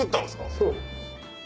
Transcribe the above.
そう。